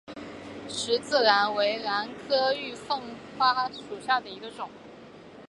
十字兰为兰科玉凤花属下的一个种。